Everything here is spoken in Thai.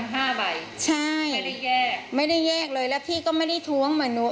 ของ๕ใบไม่ได้แยกและพี่ก็ไม่ได้ท้วงเหมือนหนู